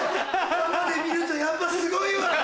生で見るとやっぱすごいわ！